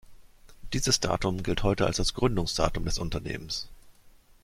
Dieses Datum gilt heute als das Gründungsdatum des Unternehmens.